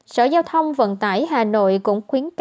sở giao thông vận tải hà nội cũng khuyến cáo